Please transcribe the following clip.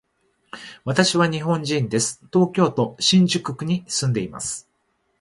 私は日本人です。東京都新宿区に住んでいます。